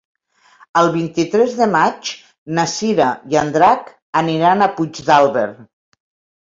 El vint-i-tres de maig na Cira i en Drac aniran a Puigdàlber.